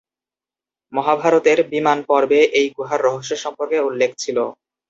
মহাভারতের "বিমান পর্বে" এই গুহার রহস্য সম্পর্কে উল্লেখ ছিল।